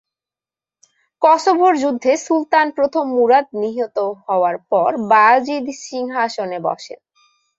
কসোভোর যুদ্ধে সুলতান প্রথম মুরাদ নিহত হওয়ার পর বায়েজীদ সিংহাসনে বসেন।